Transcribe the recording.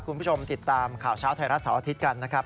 คุณผู้ชมติดตามข่าวเช้าไทยรัฐเสาร์อาทิตย์กันนะครับ